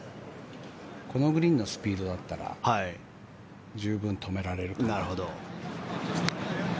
このグリーンのスピードだったら十分止められると思うので。